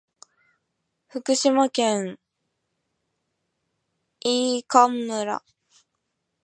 福島県飯舘村